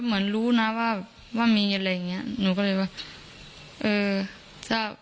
ก็เหมือนรู้นะว่ามีอะไรเงี้ยหนูก็เลยว่าเออ